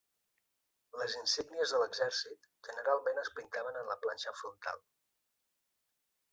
Les insígnies de l'exèrcit generalment es pintaven en la planxa frontal.